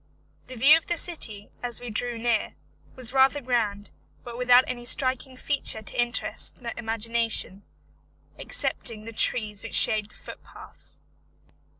The view of the city, as we drew near, was rather grand, but without any striking feature to interest the imagination, excepting the trees which shade the footpaths.